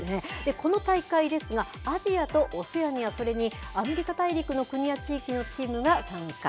この大会ですが、アジアとオセアニア、それにアメリカ大陸の国や地域のチームが参加。